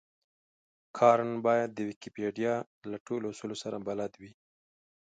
کارن بايد د ويکيپېډيا له ټولو اصولو سره بلد وي.